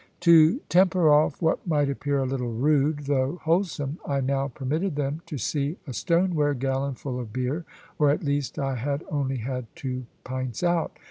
To temper off what might appear a little rude, though wholesome, I now permitted them to see a stoneware gallon full of beer, or at least I had only had two pints out.